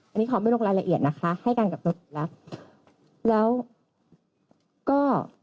อันนี้เขาไม่ลงรายละเอียดนะคะให้กันกับรถแล้วก็